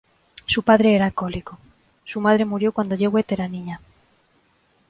Su padre era alcohólico; su madre murió cuando Jewett era niña.